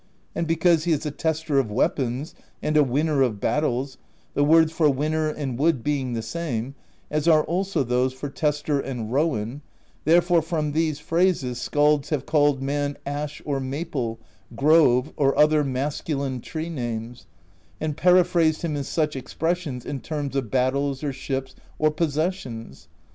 And because he is a tester of weapons and a win ner of battles, — the words for 'winner' and 'wood' being the same, as are also those for 'tester' and 'rowan,' — therefore, from these phrases, skalds have called man Ash or Maple, Grove, or other masculine tree names, and peri phrased him in such expressions in terms of battles or ships or possessions.